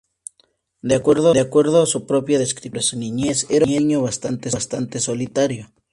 De acuerdo a su propia descripción sobre su niñez, era un niño bastante solitario.